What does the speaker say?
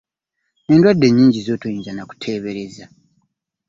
Endwadde nyingi z'otoyinza n'akutebereza.